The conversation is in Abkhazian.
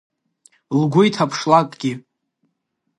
Лгәы иҭаԥшлакгьы!